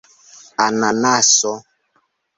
ananaso